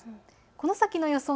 この先の予想